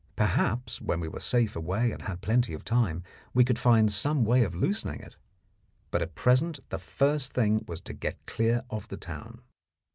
Perhaps, when we were safe away and had plenty of time, we could find some way of loosening it, but at present the first thing was to get clear of the town.